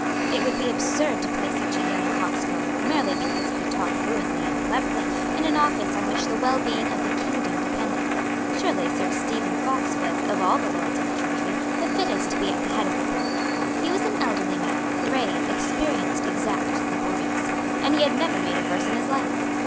It would be absurd to place such a young coxcomb, merely because he could talk fluently and cleverly, in an office on which the wellbeing of the kingdom depended. Surely Sir Stephen Fox was, of all the Lords of the Treasury, the fittest to be at the head of the Board. He was an elderly man, grave, experienced, exact, laborious; and he had never made a verse in his life.